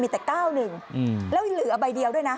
มีแต่๙๑แล้วยังเหลือใบเดียวด้วยนะ